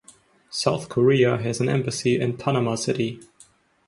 South Korea has an embassy in Panama City.